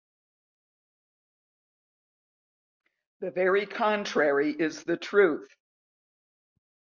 The very contrary is the truth.